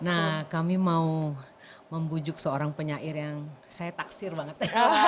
nah kami mau membujuk seorang penyair yang saya taksir banget